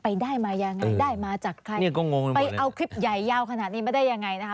ไปได้มายังไงได้มาจัดได้เดมงมองนี่เอาคลิปใหญ่ยาวขนาดนี้มาได้ยังไงนะคะ